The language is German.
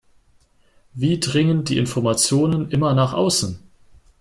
Wie dringen die Informationen immer nach außen?